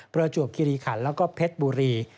เปลือจวกกิริขันและเพชรบุรี